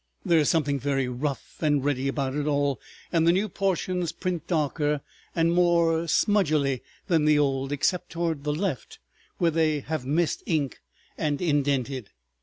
There is something very rough and ready about it all, and the new portions print darker and more smudgily than the old, except toward the left, where they have missed ink and indented.